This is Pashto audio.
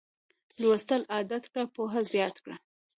لوستل عادت کړه پوهه زیاته کړه